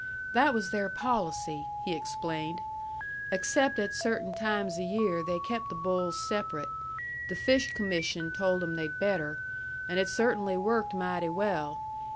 "That was their policy," he explained. "Except at certain times o' year they kept the bulls separate. The Fish Commission told 'em they'd better, and it cert'nly worked mighty well.